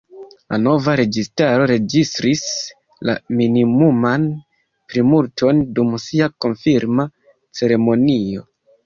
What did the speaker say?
La nova registaro registris la minimuman plimulton dum sia konfirma ceremonio.